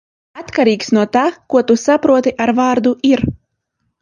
Atkarīgs no tā, ko tu saproti ar vārdu "ir".